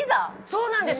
そうなんです！